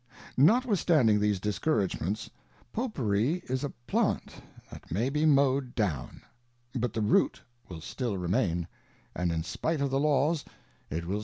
Notwithstanding these discouragements. Popery is _ a Plant that may be^.jn^^gi„ do^iji.but the Root will still remain, and in spite of the. Laws, it will